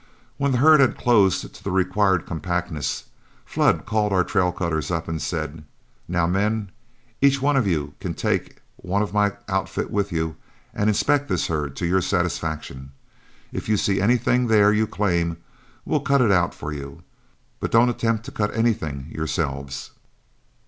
When the herd had closed to the required compactness, Flood called our trail cutters up and said, "Now, men, each one of you can take one of my outfit with you and inspect this herd to your satisfaction. If you see anything there you claim, we'll cut it out for you, but don't attempt to cut anything yourselves."